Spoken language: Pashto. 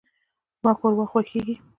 زما ښوروا خوښیږي.